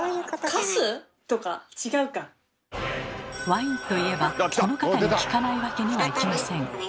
ワインといえばこの方に聞かないわけにはいきません。